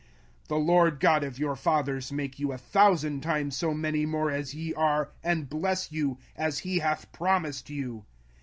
05:001:011 (The LORD God of your fathers make you a thousand times so many more as ye are, and bless you, as he hath promised you!)